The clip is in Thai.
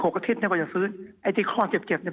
อาทิตย์เนี่ยว่าจะซื้อไอ้ที่ข้อเจ็บเจ็บเนี่ย